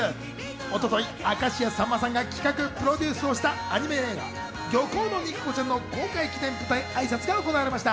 一昨日、明石家さんまさんが企画プロデュースをしたアニメ映画『漁港の肉子ちゃん』の公開記念舞台挨拶が行われました。